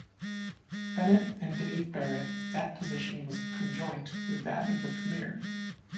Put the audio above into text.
Bennett and Dave Barrett that position was conjoint with that of the Premier.